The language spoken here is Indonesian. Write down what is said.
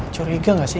curiga gak sih